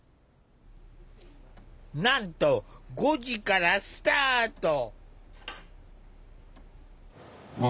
なんと５時からスタート！